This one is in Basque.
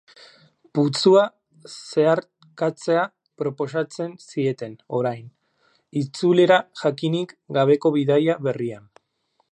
Putzua zeharkatzea proposatzen zieten orain, itzulera jakinik gabeko bidaia berrian.